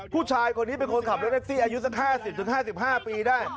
ผู้ชายคนนี้เป็นคนขับรถแท็กซี่อายุสัก๕๐๕๕ปีได้